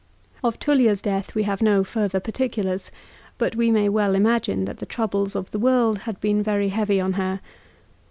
Of Tullia's death we have no further particulars ; but we may well imagine that the troubles of the world had been very heavy on her.